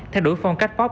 theo đuổi phong cách pop